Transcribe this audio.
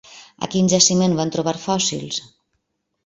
A quin jaciment van trobar fòssils?